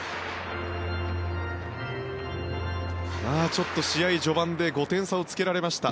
ちょっと、試合序盤で５点差をつけられました。